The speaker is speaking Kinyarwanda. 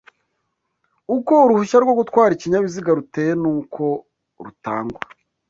Uko uruhushya rwo gutwara ikinyabiziga ruteye n’uko rutangwa